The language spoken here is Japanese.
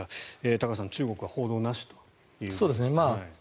高橋さん、中国は報道なしということですね。